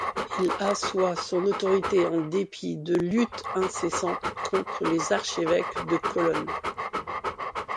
Il assoit son autorité en dépit de luttes incessantes contre les archevêques de Cologne.